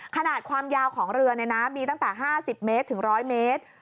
ขนาดความยาวของเรือมีตั้งแต่๕๐เมตรถึง๑๐๐เมตร